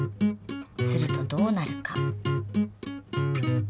するとどうなるか？